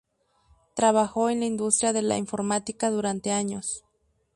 Trabajó en la industria de la informática durante años.